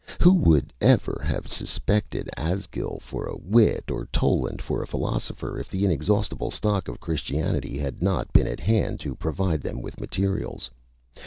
Who would ever have suspected Asgil for a wit, or Toland for a philosopher, if the inexhaustible stock of Christianity had not been at hand to provide them with materials?